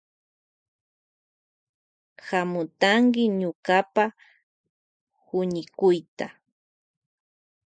Hamutanki ñukapa huñikuyta.